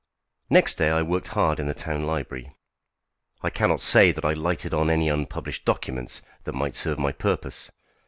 Next day I worked hard in the town library. I cannot say that I lighted on any unpublished documents that might serve my purpose.